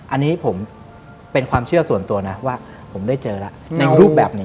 อันนี้ผมเป็นความเชื่อส่วนตัวนะว่าผมได้เจอแล้วในรูปแบบนี้